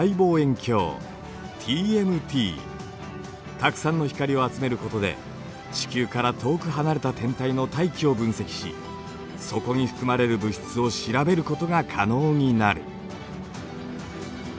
たくさんの光を集めることで地球から遠く離れた天体の大気を分析しそこに含まれる物質を調べることが可能になる。